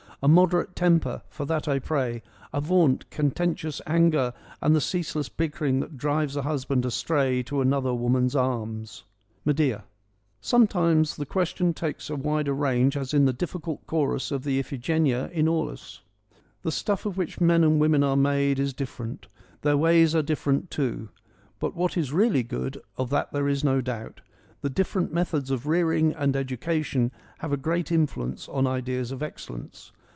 A moderate temper, for that I pray : avaunt, contentious anger and the ceaseless bickering that drives a husband astray to another woman's arms.' — (Medea.) Sometimes the question takes a wider range as in the difficult chorus of the Iphigenia in Aulis. ' The stuff of which men and women are made is different : their ways are different too. But what is really good, of that there is no doubt. The differ ent methods of rearing and education have a great influence on ideas of excellence.